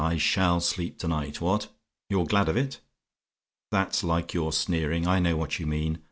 I SHALL sleep to night. What! "YOU'RE GLAD OF IT? "That's like your sneering; I know what you mean.